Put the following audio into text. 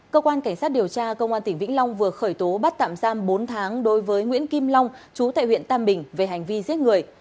cơ quan cảnh sát điều tra công an tỉnh vĩnh long vừa khởi tố bắt tạm giam bốn tháng đối với nguyễn kim long chú tại huyện tam bình về hành vi giết người